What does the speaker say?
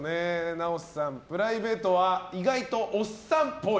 奈緒さん、プライベートは意外とおっさんっぽい。